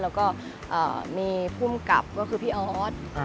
แล้วก็มีภูมิกับก็คือพี่ออส